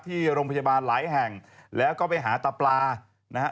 ที่โรงพยาบาลหลายแห่งแล้วก็ไปหาตาปลานะฮะ